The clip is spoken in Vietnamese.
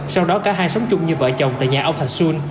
sau đó cả hai sống chung như vợ chồng tại nhà ông thạch xuân